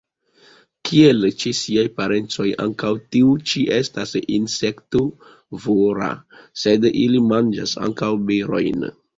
Kiel ĉe siaj parencoj, ankaŭ tiu ĉi estas insektovora, sed ili manĝas ankaŭ berojn.